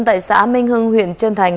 tại xã minh hưng huyện trân thái